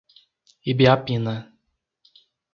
Ibiapina